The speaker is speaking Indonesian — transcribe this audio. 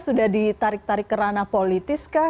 sudah ditarik tarik ke ranah politis kah